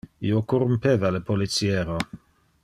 Io corrumpeva le policiero.